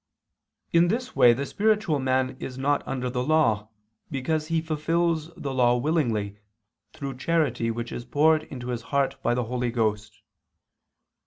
In this way the spiritual man is not under the law, because he fulfils the law willingly, through charity which is poured into his heart by the Holy Ghost.